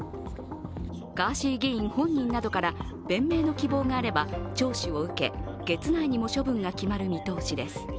ガーシー議員本人などから弁明の希望があれば聴取を受け、月内にも処分が決まる見通しです。